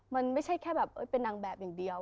มันไม่ใช่แค่แบบเป็นนางแบบอย่างเดียว